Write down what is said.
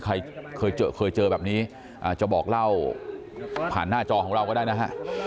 ใครเคยเจอเคยเจอแบบนี้จะบอกเล่าผ่านหน้าจอของเราก็ได้นะฮะ